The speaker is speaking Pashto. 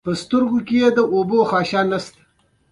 چین د تاریخ په اوږدو کې لوی اقتصاد درلود.